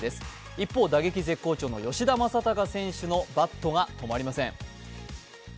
一方、打撃絶好調の吉田正尚選手のバットが止まりません。